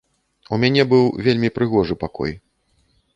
У мяне быў вельмі прыгожы пакой.